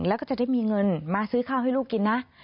แล้วก็จะได้มีเงินมาซื้อข้าวให้ลูกกินนะ